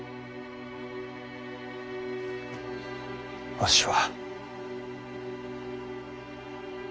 わしは。